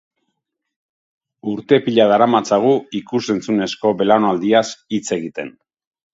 Urte pila daramatzagu ikus-entzunezko belaunaldiaz hitz egiten.